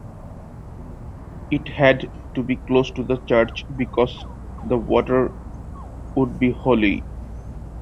It had to be close to the church because the water would be holy.